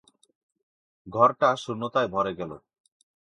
ঘরটা শূন্যতায় ভরে গেল।